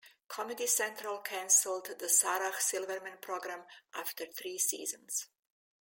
Comedy Central canceled "The Sarah Silverman Program" after three seasons.